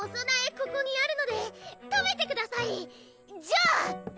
ここにあるので食べてくださいじゃあ！